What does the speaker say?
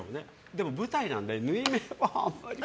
でも舞台なんで縫い目はあんまり細かく。